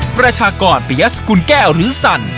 ปรัชกรเปียสกุ้นแก้วหรือสัน